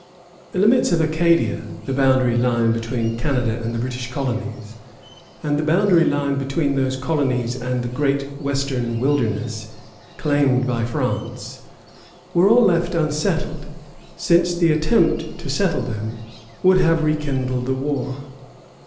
The limits of Acadia, the boundary line between Canada and the British colonies, and the boundary between those colonies and the great western wilderness claimed by France, were all left unsettled, since the attempt to settle them would have rekindled the war.